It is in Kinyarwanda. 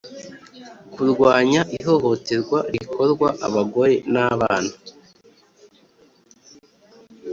Kurwanya ihohoterwa rikorwa abagore n abana